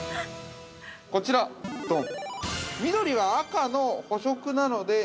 ◆こちら、ドン！